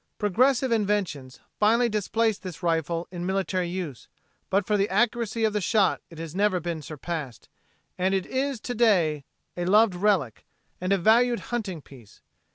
Progressive inventions finally displaced this rifle in military use, but for the accuracy of the shot it has never been surpassed, and it is to day a loved relic and a valued hunting piece.